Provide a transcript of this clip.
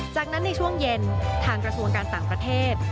จากนั้นในช่วงเย็นทางกระทรวงการต่างประเทศ